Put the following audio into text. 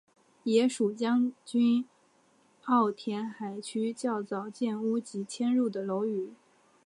也属将军澳填海区较早建屋及迁入的楼宇。